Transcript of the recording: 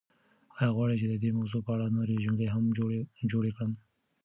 ایا غواړئ چې د دې موضوع په اړه نورې جملې هم جوړې کړم؟